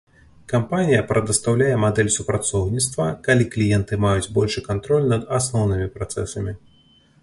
Кампанія прадастаўляе мадэль супрацоўніцтва, калі кліенты маюць большы кантроль над асноўнымі працэсамі.